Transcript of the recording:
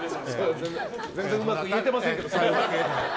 全然うまく言えてませんけど。